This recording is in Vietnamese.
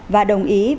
và đồng ý ba triệu liều